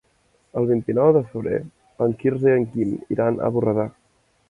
El vint-i-nou de febrer en Quirze i en Guim iran a Borredà.